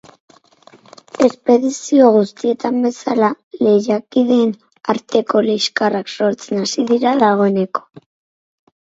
Espedizio guztietan bezala, lehiakideen arteko liskarrak sortzen hasi dira dagoeneko.